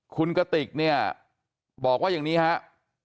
คุณกติกเนี่ยบอกว่าอย่างนี้ครับ